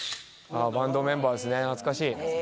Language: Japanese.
バンドメンバーですね懐かしい。